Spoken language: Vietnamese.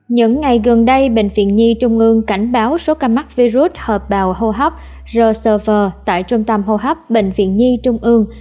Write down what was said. những ngày gần đây bệnh viện nhi trung ương cảnh báo số ca mắc virus hợp bào hô hấp r server tại trung tâm hô hấp bệnh viện nhi trung ương